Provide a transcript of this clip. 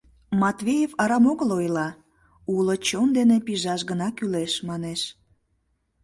Матвеев арам огыл ойла: «Уло чон дене пижаш гына кӱлеш», — манеш.